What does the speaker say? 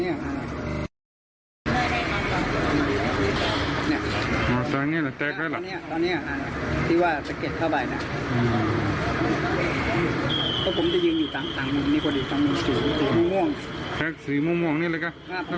นี่นี่ตอนนี้เพราะผมจะยืนอยู่ข้างนึง